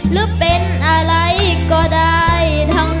หรือเป็นอะไรก็ได้ทั้งนั้น